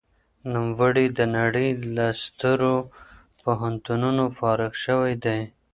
نوموړي د نړۍ له سترو پوهنتونونو فارغ شوی دی.